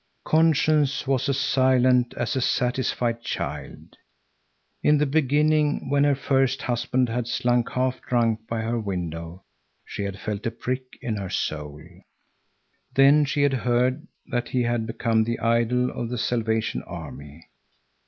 Conscience was as silent as a satisfied child. In the beginning, when her first husband had slunk half drunk by her window, she had felt a prick in her soul. Then she had heard that he had become the idol of the Salvation Army.